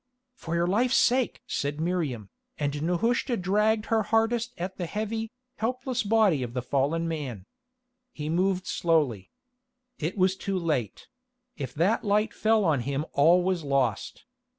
"For your life's sake!" said Miriam, and Nehushta dragged her hardest at the heavy, helpless body of the fallen man. He moved slowly. It was too late; if that light fell on him all was lost.